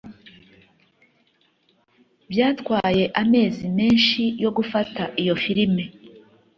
Byatwaye amezi menshi yo gufata iyo firime